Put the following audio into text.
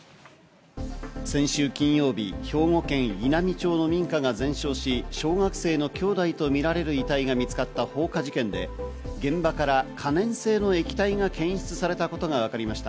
先週金曜日、兵庫県稲美町の民家が全焼し、小学生の兄弟とみられる遺体が見つかった放火事件で、現場から可燃性の液体が検出されたことがわかりました。